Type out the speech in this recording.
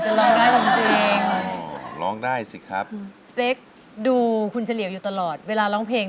เหนื่อยขนาดไหนตอนร้องเพลง